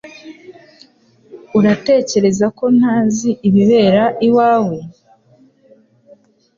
Uratekereza ko ntazi ibibera iwawe?